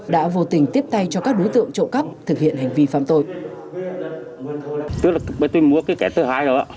đã vô tình tiếp tay cho các đối tượng trộm cắp thực hiện hành vi phạm tội